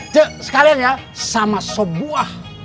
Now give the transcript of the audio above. cek sekalian ya sama sebuah